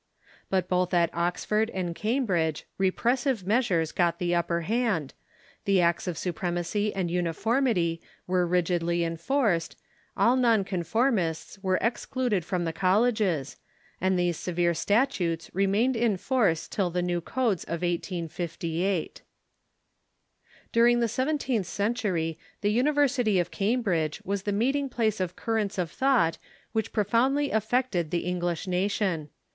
But both at Oxford and Cambridge repressive measures got the upperhand, the Acts of Supremacy and Uniformity Avere rig idly enforced, all non conformists were excluded from the col leges, and these severe statutes remained in force till the new codes of 1858. During the seventeenth century the University of Cambridge was the meeting place of currents of thought which profound ly tiffected the Ensflish nation.